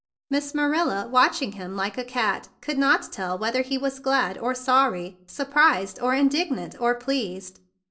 Miss Marilla, watching him like a cat, could not tell whether he was glad or sorry, surprised or indignant or pleased.